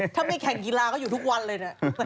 ถ้าไม่แข่งกีฬาก็อยู่ทุกวันเลยนะ